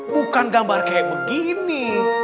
bukan gambar kayak begini